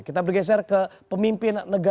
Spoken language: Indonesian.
kita bergeser ke pemimpin negara